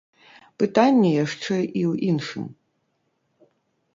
Пытанне яшчэ і ў іншым.